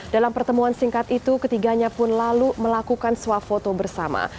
dalam pertemuan singkat itu ketiganya pun lalu melakukan swafoto bersama